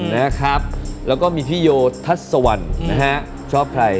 ชอบมีที่โยทัศน์สวรรค์นะฮะชอบใคร